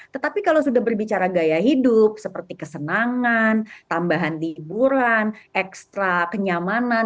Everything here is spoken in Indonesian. tetapi kalau sudah berbicara gaya hidup seperti kesenangan tambahan liburan ekstra kenyamanan